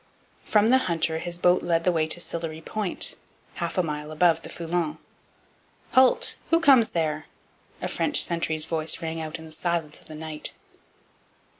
From the Hunter his boat led the way to Sillery Point, half a mile above the Foulon. 'Halt! Who comes there!' a French sentry's voice rang out in the silence of the night.